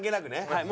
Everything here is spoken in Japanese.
はい。